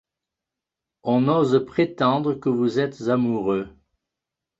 On ose prétendre que vous êtes amoureux.